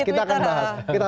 kita akan bahas